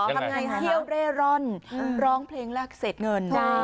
เที่ยวเร่ร่อนร้องเพลงลากเศษเงิน